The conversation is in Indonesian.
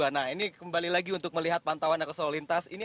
nah ini kembali lagi untuk melihat pantauan arus lintas